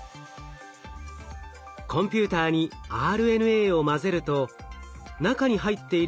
コンピューターにＲＮＡを混ぜると中に入っている